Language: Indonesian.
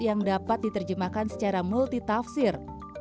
yang dapat diterjemahkan secara multitafsir